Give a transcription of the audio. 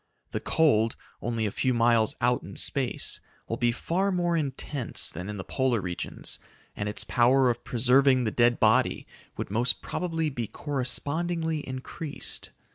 The cold, only a few miles out in space, will be far more intense than in the polar regions and its power of preserving the dead body would most probably be correspondingly increased.